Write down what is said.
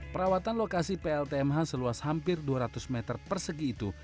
perawatan lokasi pltmh seluas hampir dua ratus meter persegi itu